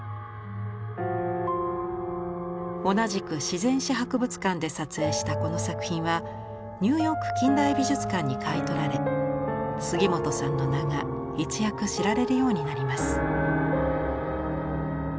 同じく自然史博物館で撮影したこの作品はニューヨーク近代美術館に買い取られ杉本さんの名が一躍知られるようになります。